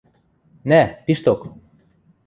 Нӓ, пишток.